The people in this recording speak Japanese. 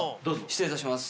失礼いたします。